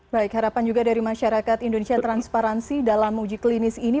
baik harapan juga dari masyarakat indonesia transparansi dalam uji klinis ini